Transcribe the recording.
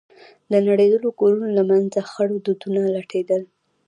د نړېدلو کورونو له منځه خړ دودونه لټېدل.